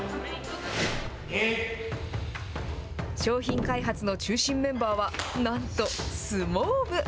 商品開発の中心メンバーは、なんと相撲部。